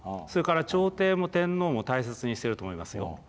それから朝廷も天皇も大切にしてると思いますよ。